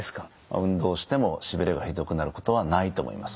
運動をしてもしびれがひどくなることはないと思います。